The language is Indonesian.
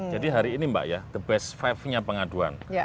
jadi hari ini mbak ya the best five nya pengaduan